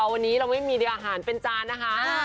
วันนี้เราไม่มีอาหารเป็นจานนะคะ